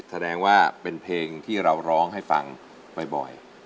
แสดงว่าเป็นเพลงที่เราร้องให้ฟังบ่อย